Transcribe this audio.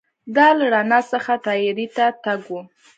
دا له رڼا څخه تیارې ته تګ و.